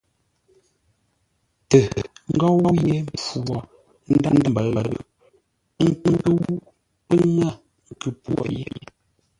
Tə ngóu yé mpfu wo ńdághʼ ḿbə̂ʉ, ə́ nkə́u pə́ ŋə̂ nkʉ-pwô yé.